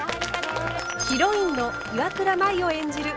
ヒロインの岩倉舞を演じる